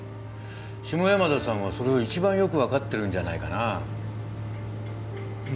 下山田さんはそれを一番よく分かってるんじゃないかなね